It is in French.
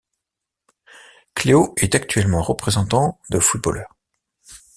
Cléo est actuellement représentant de footballeurs.